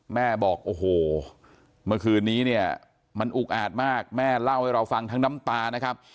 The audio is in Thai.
แม่บอกโอ้โหเมื่อคืนนี้เนี่ยมันอุกอาดมากแม่เล่าให้เราฟังทั้งน้ำตานะครับ